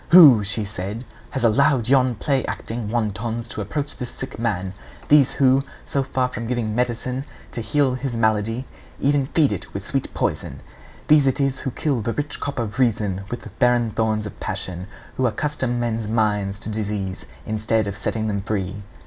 'Who,' said she, 'has allowed yon play acting wantons to approach this sick man these who, so far from giving medicine to heal his malady, even feed it with sweet poison? These it is who kill the rich crop of reason with the barren thorns of passion, who accustom men's minds to disease, instead of setting them free.